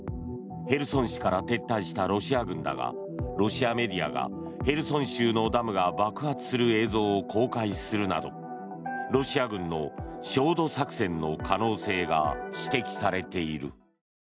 ヘルソン市から撤退したロシア軍だがロシアメディアがヘルソン州のダムが爆発する映像を公開するなどロシア軍の焦土作戦の可能性が指摘されている。